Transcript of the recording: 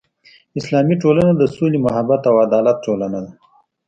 اسلامي ټولنه د سولې، محبت او عدالت ټولنه ده.